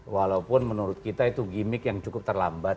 walaupun menurut kita itu gimmick yang ada di dalamnya